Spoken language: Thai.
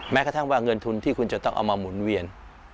แม้กระทั่งว่าเงินทุนที่คุณจะต้องเอามาหมุนเวียน